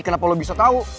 kenapa lo bisa tau